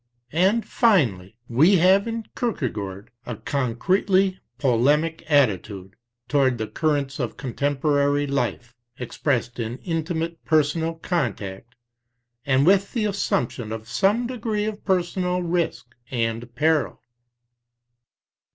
And finally, we have in Kierke gaard a concretely polemic attitude toward the currents of contemporary life, expressed in intimate personal contact, and with the assumption of some degree of personal risk and peril.